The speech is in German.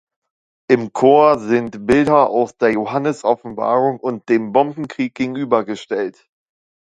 Im Chor sind Bilder aus der Johannesoffenbarung und dem Bombenkrieg gegenübergestellt.